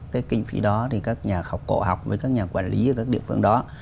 cái kinh phí đó thì các nhà khảo cổ học với các nhà quản lý ở các địa phương đó